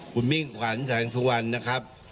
คุณมิ่งขวัญแสงสุวรรณนะครับ